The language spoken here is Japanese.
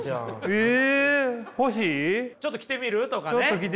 「ちょっと着てみる？」とかね。